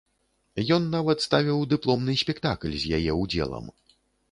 Ён нават ставіў дыпломны спектакль з яе ўдзелам.